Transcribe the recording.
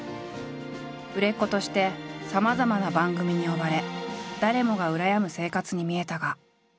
売れっ子としてさまざまな番組に呼ばれ誰もが羨む生活に見えたが。